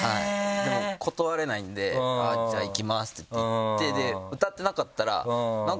でも断れないんで「じゃあ行きます」って言って行って歌ってなかったら。